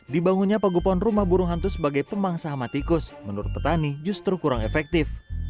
dibangunnya pagupon rumah burung hantu sebagai pembangsa hamat ikus menurut petani justru kurang efektif